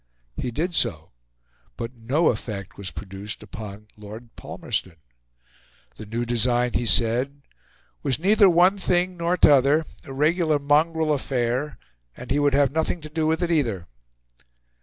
He did so, but no effect was produced upon Lord Palmerston. The new design, he said, was "neither one thing nor 'tother a regular mongrel affair and he would have nothing to do with it either."